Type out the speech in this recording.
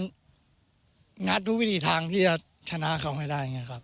ก็ก็จะงัดกูวิธีทางที่จะชนะเค้าให้ได้